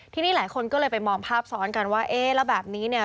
ทีนี้หลายคนก็เลยไปมองภาพซ้อนกันว่าเอ๊ะแล้วแบบนี้เนี่ย